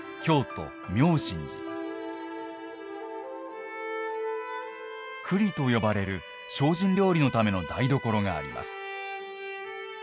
庫裡と呼ばれる精進料理のための台所があります。